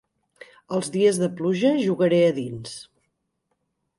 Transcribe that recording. Els dies de pluja jugaré a dins.